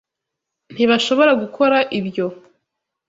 Ntibashobora gukora ibyo.